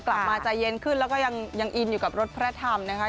กลับมาใจเย็นขึ้นแล้วก็ยังอินอยู่กับรถแพร่ทำ